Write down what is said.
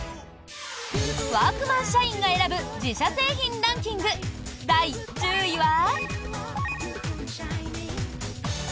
ワークマン社員が選ぶ自社製品ランキング第１０位は。